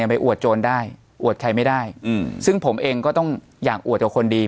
ไปอวดโจรได้อวดใครไม่ได้อืมซึ่งผมเองก็ต้องอยากอวดกับคนดี